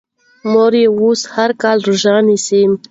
مور یې اوس هر کال روژه نیسي.